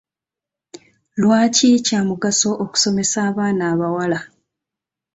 Lwaki kya mugaso okusomesa abaana abawala?